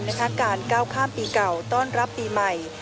ในฐานะการเก้าข้ามปีเก่าต้อนรับปีใหม่